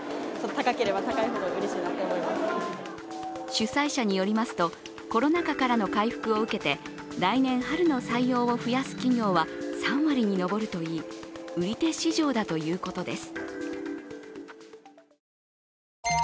主催者によりますと、コロナ禍からの回復を受けて来年春の採用を増やす企業は３割に上るといい売り手市場だということです。